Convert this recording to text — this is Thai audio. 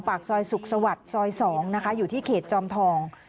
ปากซอยสุขสวัสดิ์ซอย๒นะคะอยู่ที่เขตจอมทอง